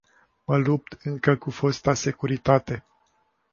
Mă lupt încă cu fosta securitate.